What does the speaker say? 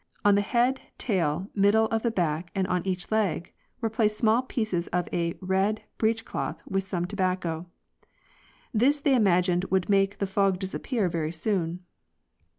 On the head, tail, mid dle of the back and on each leg were placed small pieces of a (red) breech cloth with some tobacco. This they imagined would make the fog disappear very soon.